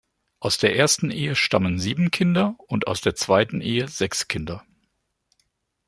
Aus erster Ehe stammen sieben Kinder und aus der zweiten Ehe sechs Kinder.